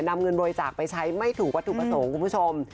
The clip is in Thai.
นำเงินบริจาคไปใช้ไม่ถูกวัตถุประสงค์คุณผู้ชม